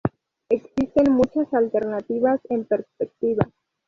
Existen muchas alternativas en perspectiva.